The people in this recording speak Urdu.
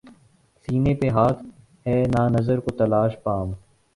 سینے پہ ہاتھ ہے نہ نظر کو تلاش بام